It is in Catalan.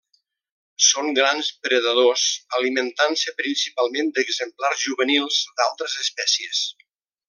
Són grans predadors, alimentant-se principalment d'exemplars juvenils d'altres espècies.